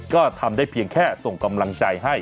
ก็ทำได้เพียงแค่ส่งกำลังใจให้